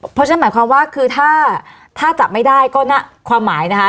เพราะฉะนั้นหมายความว่าคือถ้าจับไม่ได้ก็ความหมายนะคะ